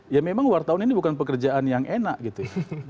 ya memang wartawan ini bukan pekerjaan yang enak gitu ya